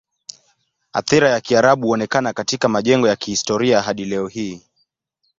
Athira ya Kiarabu huonekana katika majengo ya kihistoria hadi leo hii.